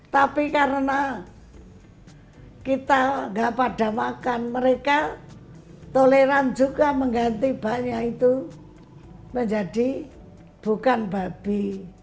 tapi karena kita gak pada makan mereka toleran juga mengganti baknya itu menjadi bukan babi